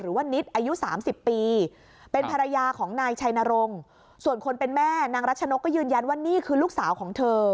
หรือว่านิดอายุ๓๐ปีเป็นภรรยาของนายชัยนรงค์ส่วนคนเป็นแม่นางรัชนกก็ยืนยันว่านี่คือลูกสาวของเธอ